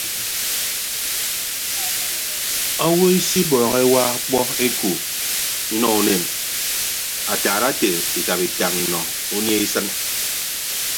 Owo isibọọhọ ewa okpọ eku inọ unen ataat ete ikap itañ inọ unie isịn.